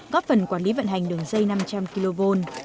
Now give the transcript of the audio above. góp phần quản lý vận hành đường dây năm trăm linh kv